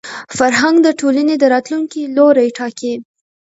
فرهنګ د ټولني د راتلونکي لوری ټاکي.